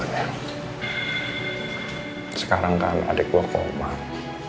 dan itu bener bener saya ingin nanya sama lo